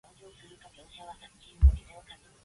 Andet Bind.